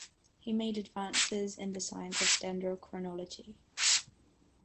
He made advances in the science of dendrochronology.